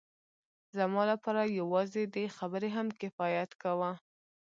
زما لپاره یوازې دې خبرې هم کفایت کاوه